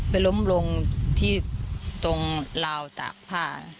ล้มลงที่ตรงราวตากผ้า